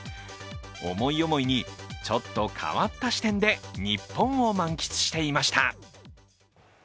思い思いにちょっと変わった視点で日本を満喫していました。